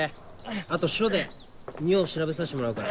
あと署で尿調べさせてもらうから。